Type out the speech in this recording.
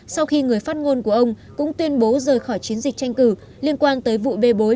sau khi người phát ngôn của ông cũng tuyên bố rời khỏi chiến dịch tranh cử liên quan tới vụ bê bối